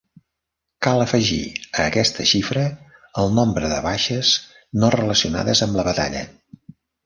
Cal afegir a aquesta xifra el nombre de baixes no relacionades amb la batalla.